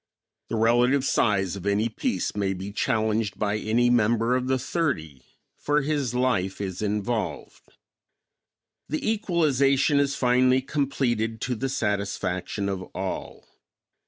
The relative size of any piece may be challenged by any member of the thirty, for his life is involved. The equalization is finally completed to the satisfaction of all.